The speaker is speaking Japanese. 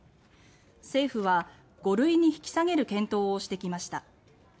政府は５類に引き下げる検討をしてきました。